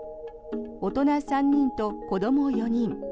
大人３人と子ども４人。